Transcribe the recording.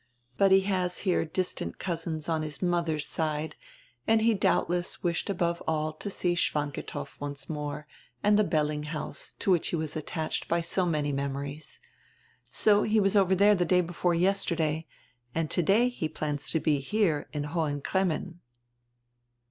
But he has here distant cousins on his mother's side, and he doubtless wished above all to see Schwantikow once more and die Belling house, to which he was attached by so many memories. So he was over there die day before yesterday and today he plans to be here in Hohen Cremmen."